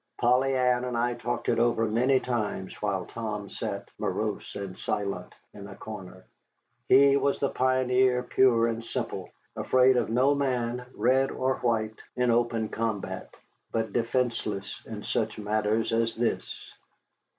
Polly Ann and I talked it over many times while Tom sat, morose and silent, in a corner. He was the pioneer pure and simple, afraid of no man, red or white, in open combat, but defenceless in such matters as this.